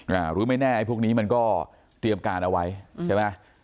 หรือไม่แน่ไอ้พวกนี้มันก็เตรียมการเอาไว้ใช่ไหม